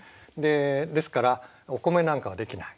ですからお米なんかは出来ない。